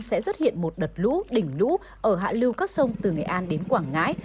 sẽ xuất hiện một đợt lũ đỉnh lũ ở hạ lưu các sông từ nghệ an đến quảng ngãi